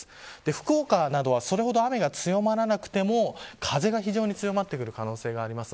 福岡などは、それほど雨が強まらなくても風が非常に強まる可能性があります。